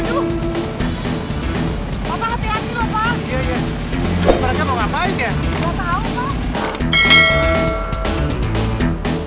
loh apaan ini tuh